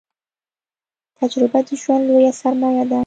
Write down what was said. تجربه د ژوند لويه سرمايه ده